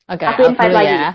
oke out dulu ya